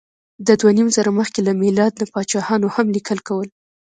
د دوهنیمزره مخکې له میلاد نه پاچاهانو هم لیکل کول.